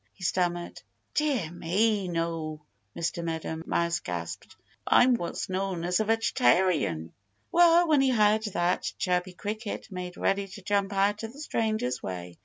he stammered. "Dear me! No!" Mr. Meadow Mouse gasped. "I'm what's known as a vegetarian." Well, when he heard that, Chirpy Cricket made ready to jump out of the stranger's way.